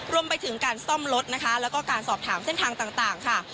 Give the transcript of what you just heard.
รวมไปถึงการซ่อมรถนะคะแล้วก็การสอบถามเส้นทางต่างค่ะ